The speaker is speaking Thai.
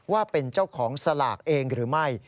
ว่าเป็นเจ้าของสลากเองหรือไม่